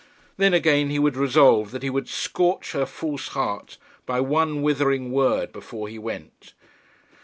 Then again he would resolve that he would scorch her false heart by one withering word before he went.